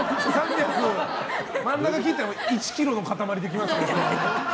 真ん中切ったら１ｋｇの塊できますけど。